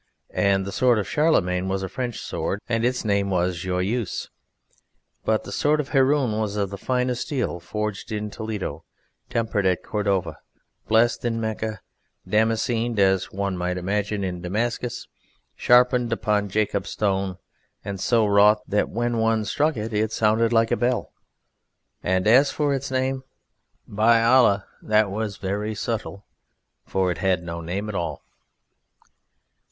And the sword of Charlemagne was a French sword, and its name was Joyeuse. But the sword of Haroun was of the finest steel, forged in Toledo, tempered at Cordova, blessed in Mecca, damascened (as one might imagine) in Damascus, sharpened upon Jacob's Stone, and so wrought that when one struck it it sounded like a bell. And as for its name, By Allah! that was very subtle for it had no name at all.